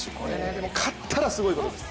でも勝ったらすごいことです。